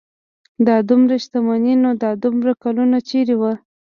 دا دومره شتمني نو دا دومره کلونه چېرې وه.